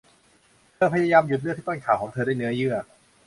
เธอพยายามหยุดเลือดที่ต้นขาของเธอด้วยเนื้อเยื่อ